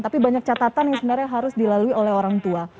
tapi banyak catatan yang sebenarnya harus dilalui oleh orang tua